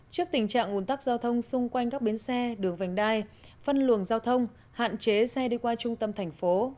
trước tình trạng ủn tắc giao thông xung quanh các bến xe đường vành đai phân luồng giao thông hạn chế xe đi qua trung tâm thành phố